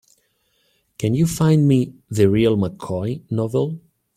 Can you find me The Real McCoy novel?